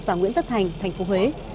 và nguyễn tất thành tp huế